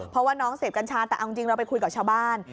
เพราะว่าน้องเสพกัญชาแต่เอาจริงเราไปคุยกับชาวบ้าน